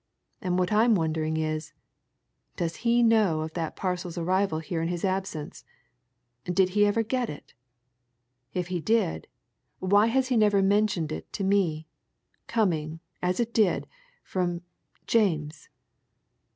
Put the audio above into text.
And what I'm wondering is does he know of that parcel's arrival here in his absence. Did he ever get it? If he did, why has he never mentioned it to me? Coming, as it did, from James!"